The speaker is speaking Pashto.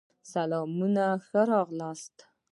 سلامونه ښه راغلاست